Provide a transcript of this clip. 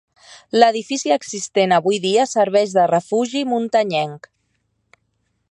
L'edifici existent avui dia serveix de refugi muntanyenc.